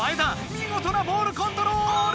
みごとなボールコントロール！